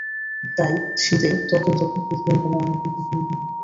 তাই শীতে ত্বকের যত্নে ফেসিয়াল করা অনেক বেশি প্রয়োজন হয়ে পড়ে।